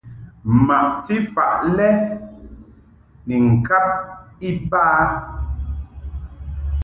Maʼti faʼ lɛ ni ŋkab iba.